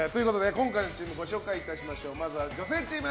今回のチームをご紹介しましょう。